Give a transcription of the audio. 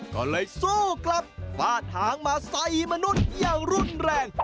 ก็เลยสู้กลับฟาดหางมาใส่มนุษย์อย่างรุนแรง